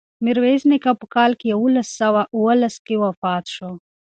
میرویس نیکه په کال یوولس سوه اوولس کې وفات شو.